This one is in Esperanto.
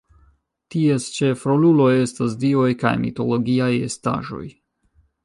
Ties ĉefroluloj estas dioj kaj mitologiaj estaĵoj.